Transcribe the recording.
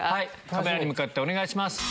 カメラに向かってお願いします。